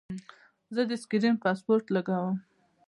زه د سکرین پاسورډ لګوم.